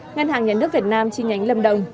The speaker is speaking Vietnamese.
ngân hàng nhà nước việt nam chi nhánh lâm đồng